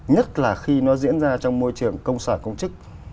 nhất là khi nó diễn ra trong môi trường công sở công chức